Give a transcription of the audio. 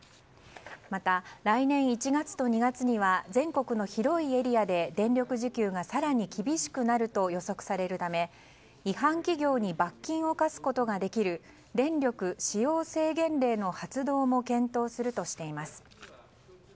また、来年１月と２月には全国の広いエリアで電力需給が更に厳しくなると予測されるため、違反企業に罰金を科すことができる電力使用制限令の発動も検討するとしています。